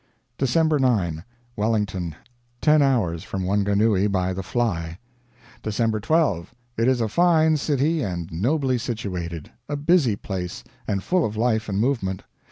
December 9. Wellington. Ten hours from Wanganui by the Fly. December 12. It is a fine city and nobly situated. A busy place, and full of life and movement.